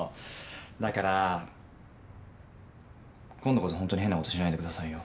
だから今度こそほんとに変なことしないでくださいよ。